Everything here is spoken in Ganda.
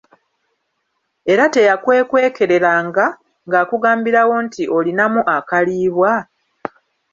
Era teyakwekwekereranga, ng'akugambirawo nti "olinamu akaliibwa?"